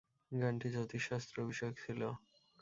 গানটি জ্যোতিষশাস্ত্র বিষয়ক ছিলো।